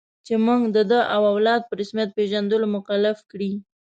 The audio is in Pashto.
چې موږ د ده او اولاد په رسمیت پېژندلو مکلف کړي.